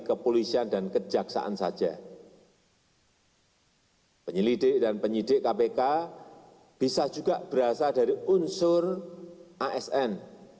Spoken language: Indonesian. kepolisian dan kejaksaan saja penyelidik dan penyidik kpk bisa juga berasal dari unsur asn